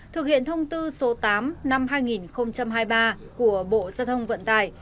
thực hiện thông tư số tám năm hai nghìn hai mươi ba của bộ gia thông vận tải